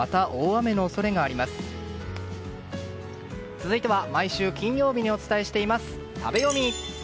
続いては毎週金曜日にお伝えしています、食べヨミ。